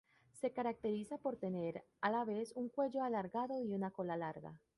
Se caracteriza por tener a la vez un cuello alargado y una cola larga.